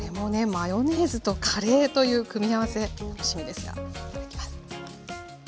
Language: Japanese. マヨネーズとカレーという組み合わせ楽しみですがいただきます。